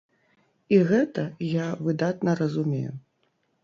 І гэта я выдатна разумею.